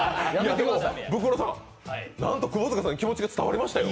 ブクロさん、なんと窪塚さんに気持ちが伝わりましたよ。